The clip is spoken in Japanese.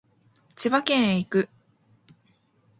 千葉県へ行く